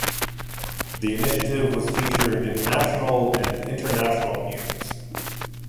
The initiative was featured in national and international news.